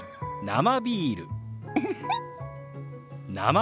生ビール。